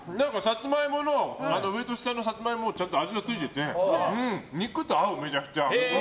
上と下のサツマイモにもちゃんと味がついてて肉と合う、めちゃくちゃ。